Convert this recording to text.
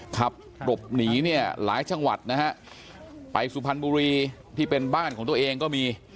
ขับหลบหนีเนี่ยหลายจังหวัดนะฮะไปสุพรรณบุรีที่เป็นบ้านของตัวเองก็มี